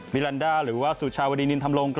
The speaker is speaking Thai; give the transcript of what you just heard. มิรันดารึว่าสุชาวนินนินทำลง